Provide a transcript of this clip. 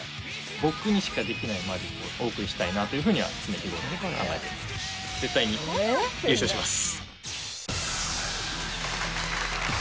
僕にしかできないマジックをお送りしたいなというふうには常日ごろ考えてます。